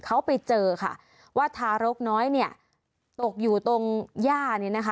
เขาไปเจอค่ะว่าทารกน้อยเนี่ยตกอยู่ตรงย่าเนี่ยนะคะ